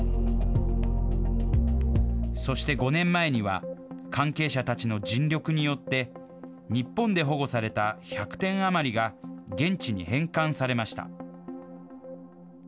そして５年前には、関係者たちの尽力によって、日本で保護された１００点余りが現地に返還されました。